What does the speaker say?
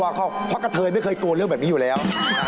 เพราะกะเทยไม่เคยกลัวเรื่องแบบนี้อยู่แล้ว